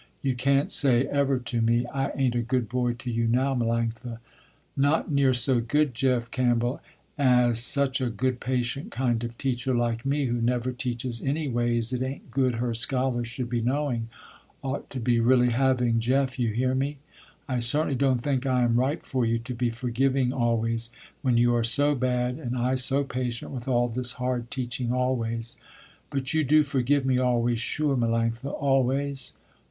You can't say ever to me, I ain't a good boy to you now, Melanctha." "Not near so good, Jeff Campbell, as such a good, patient kind of teacher, like me, who never teaches any ways it ain't good her scholars should be knowing, ought to be really having, Jeff, you hear me? I certainly don't think I am right for you, to be forgiving always, when you are so bad, and I so patient, with all this hard teaching always." "But you do forgive me always, sure, Melanctha, always?"